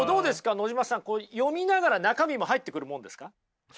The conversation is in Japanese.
野島さん読みながら中身も入ってくるものですか？